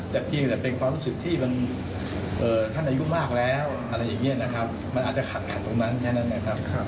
แต่ก็แสดงสังคมก็มีการมองว่าตะวัดนักธรรมเกินไป